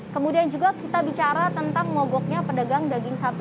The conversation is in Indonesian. kemudian juga kita bicara tentang mogoknya pedagang daging sapi